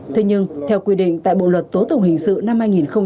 thế nhưng theo quy định tại bộ luật tố tụng hình sự năm hai nghìn một mươi năm